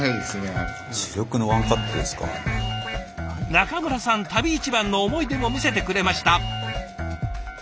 中村さん旅一番の思い出も見せてくれました。